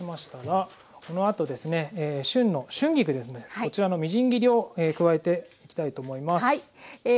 こちらのみじん切りを加えていきたいと思います。